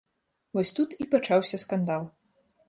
Вось тут і пачаўся скандал.